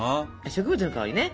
植物の香りね。